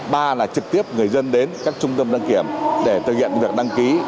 ba là trực tiếp người dân đến các trung tâm đăng kiểm để thực hiện việc đăng ký